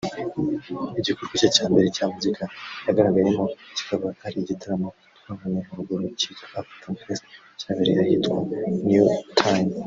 Igikorwa cye cya mbere cya muzika yagaragayemo kikaba ari igitaramo twabonye haruguru kitwa Afrikanfest cyabereye ahitwa Neuötting